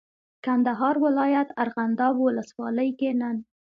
کندهار ولایت ارغنداب ولسوالۍ کې نن